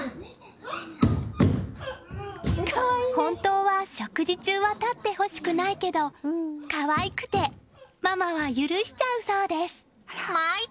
本当は食事中は立ってほしくないけど可愛くてママは許しちゃうそうです。